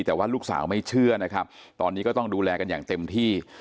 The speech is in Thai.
แต่ว่าลูกสาวไม่เชื่อนะครับตอนนี้ก็ต้องดูแลกันอย่างเต็มที่